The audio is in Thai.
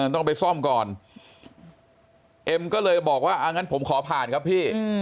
ต้องไปซ่อมก่อนเอ็มก็เลยบอกว่าอ่างั้นผมขอผ่านครับพี่